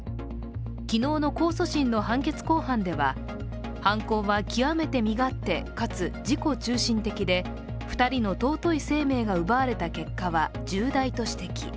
昨日の控訴審の判決公判では、犯行は極めて身勝手かつ自己中心的で２人の尊い生命が奪われた結果は重大と指摘。